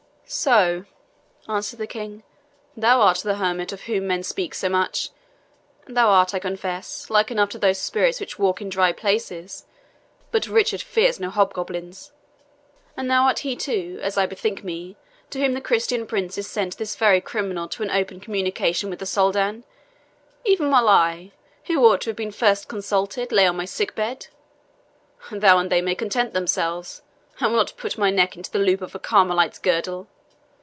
"So," answered the King, "thou art that hermit of whom men speak so much? Thou art, I confess, like enough to those spirits which walk in dry places; but Richard fears no hobgoblins. And thou art he, too, as I bethink me, to whom the Christian princes sent this very criminal to open a communication with the Soldan, even while I, who ought to have been first consulted, lay on my sick bed? Thou and they may content themselves I will not put my neck into the loop of a Carmelite's girdle.